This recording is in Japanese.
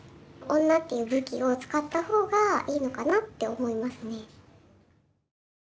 女っていう武器を使った方がいいのかなって思いますね。